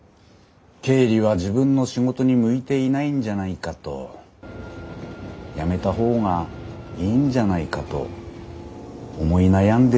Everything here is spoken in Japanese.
経理は自分の仕事に向いていないんじゃないかと辞めた方がいいんじゃないかと思い悩んでしまいましてね。